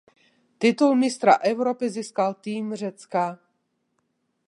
Titul mistra Evropy získal tým Řecka.